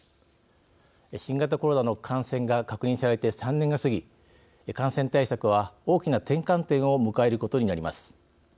新型コロナの感染が確認されて３年が過ぎ感染対策は大きな転換点を迎えることになります。